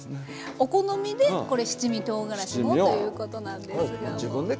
お好みでこれ七味とうがらしもということなんですが。